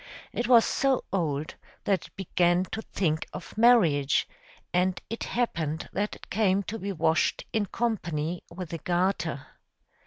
It was so old, that it began to think of marriage; and it happened that it came to be washed in company with a garter.